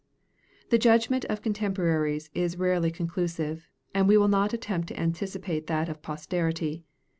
The judgment of contemporaries is rarely conclusive; and we will not attempt to anticipate that of posterity.